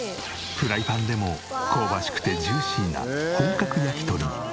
フライパンでも香ばしくてジューシーな本格焼き鳥に。